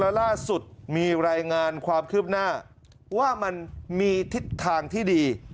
และล่าสุดมีรายงานความคืบหน้าว่ามันมีทิศทางที่ดี